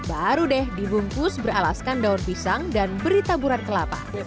baru deh dibungkus beralaskan daun pisang dan beri taburan kelapa